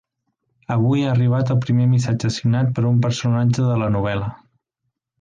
Avui ha arribat el primer missatge signat per un personatge de la novel·la.